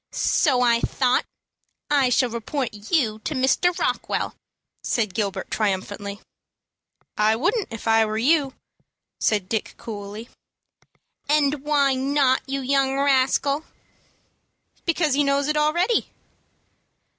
"So I thought. I shall report you to Mr. Rockwell," said Gilbert, triumphantly. "I wouldn't, if I were you," said Dick, coolly. "And why not, you young rascal?" "Because he knows it already."